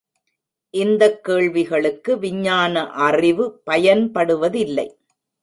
இந்தக் கேள்விகளுக்கு விஞ்ஞான அறிவு பயன்படுவதில்லை.